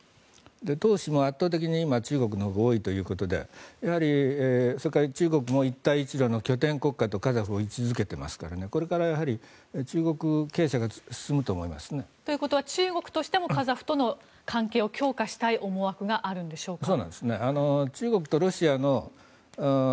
投資も圧倒的に中国のほうが多いということでやはり、中国も一帯一路の拠点国家とカザフを位置付けていますからこれから中国傾斜が進むと思いますね。ということは中国としてもカザフとの関係を強化したい思惑があるんでしょうか。